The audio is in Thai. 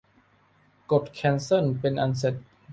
กดแคนเซิลเป็นอันเสร็จ